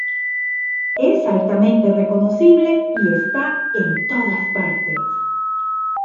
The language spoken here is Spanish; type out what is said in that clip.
Es altamente reconocible, y está "en todas partes.